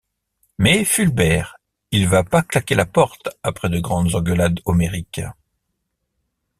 Mais Fulbert il va pas claquer la porte après de grandes engueulades homériques.